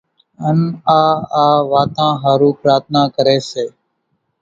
ان آ آ واتان ۿارُو پرارٿنا ڪروي سي